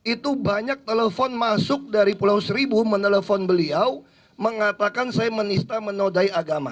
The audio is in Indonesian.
itu banyak telepon masuk dari pulau seribu menelpon beliau mengatakan saya menista menodai agama